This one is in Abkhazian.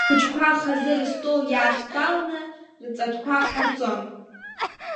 Ахәыҷқәа хазы рыстол иадтәаланы, рҵатәқәа ҟарҵон.